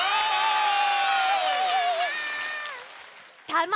たま